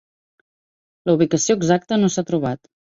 La ubicació exacta no s'ha trobat.